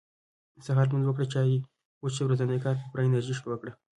سهار لمونځ وکړه چاي وڅښه ورځني کار په پوره انرژي شروع کړه